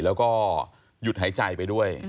แล้วก็หยุดหายใจไปด้วย